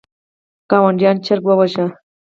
ګاونډیانو چرګ وواژه.